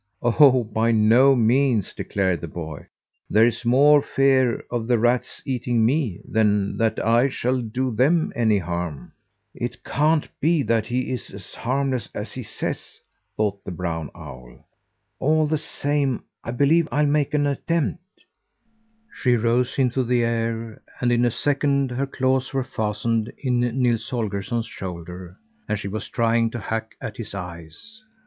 "Oh, by no means!" declared the boy. "There is more fear of the rats eating me than that I shall do them any harm." "It can't be that he is as harmless as he says," thought the brown owl. "All the same I believe I'll make an attempt...." She rose into the air, and in a second her claws were fastened in Nils Holgersson's shoulder and she was trying to hack at his eyes.